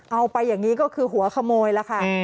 เอาไปอย่างนี้ก็คือหัวขโมยแล้วค่ะ